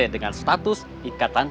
dengan status ikatkan